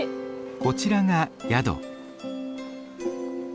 こちらが宿。